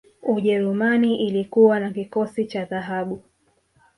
ujerumani ilikuwa na kikosi cha dhahabu